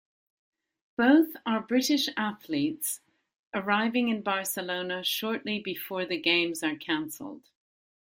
Both are British athletes arriving in Barcelona shortly before the games are canceled.